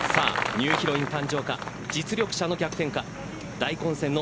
ニューヒロイン誕生か実力者の逆転か大混戦のＮＥＣ